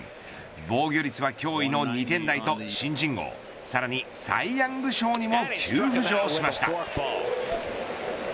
防御率は驚異の２点台と新人王さらにサイ・ヤング賞にも急浮上しました。